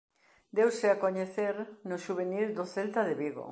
Deuse a coñecer no xuvenil do Celta de Vigo.